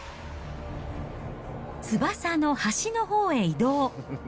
翼の端のほうへ移動。